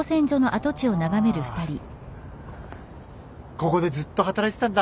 ここでずっと働いてたんだ